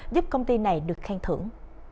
giúp công ty này được khen thưởng